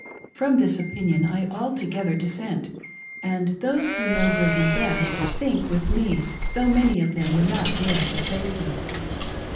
From this opinion I altogether dissent ; and those who know Brigham best, think with nie, though many of them would not dare to say so.